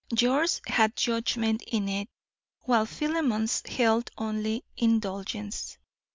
Yours had judgment in it, while Philemon's held only indulgence.